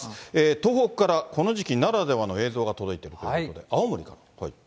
東北からこの時期ならではの映像が届いているということで、青森か。